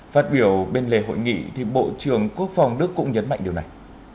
phát biểu bên lề hội nghị bộ trưởng quốc phòng đức cũng nhấn mạnh điều này